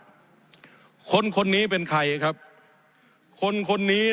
มีล้ำตีตั้นเนี่ยมีล้ำตีตั้นเนี่ย